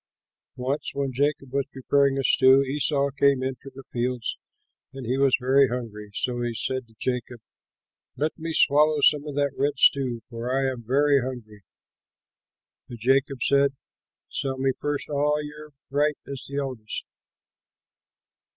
Once when Jacob was preparing a stew, Esau came in from the fields, and he was very hungry; so he said to Jacob, "Let me swallow some of that red stew, for I am very hungry." But Jacob said, "Sell me first of all your right as the eldest."